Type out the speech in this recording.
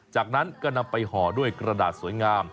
จากนั้นก็นำไปห่อด้วยกระดาษสวยงาม